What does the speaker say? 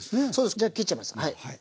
じゃあ切っちゃいます。